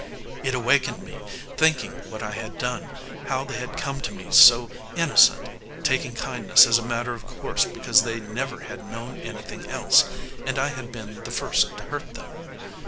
"It awakened me, thinking what I had done, how they had come to me so innocent taking kindness as a matter of course because they never had known anything else, and I had been the first to hurt them.